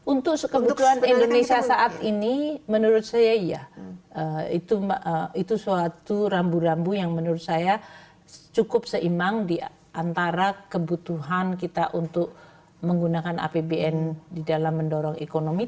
untuk kebutuhan indonesia saat ini menurut saya ya itu suatu rambu rambu yang menurut saya cukup seimbang diantara kebutuhan kita untuk menggunakan apbn di dalam mendorong ekonomi